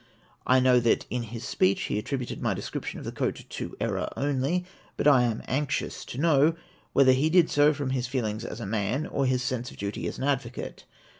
I know that in his speech he attributed my descrip tion of the coat to error only, but I am anxious to know whether he did so from his feelings as a man or his sense of duty as an advocate